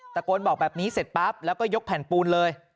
ตะโกนบอกแบบนี้เสร็จปั๊บแล้วก็ยกแผ่นปูนเลย